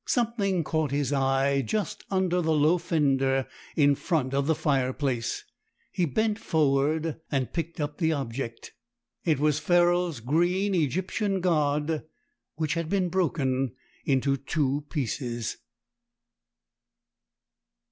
Something caught his eye just under the low fender in front of the fireplace. He bent forward and picked up the object. It was Ferrol's green Egyptian god, which had been broken into two pieces.